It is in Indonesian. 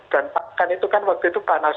dan itu kan waktu itu panas